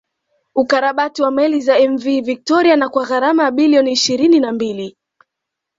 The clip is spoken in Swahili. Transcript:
Ukarabati wa meli za Mv Victoria na kwa gharama ya bilioni ishirini na mbili